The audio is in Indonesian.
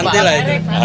nanti lah ini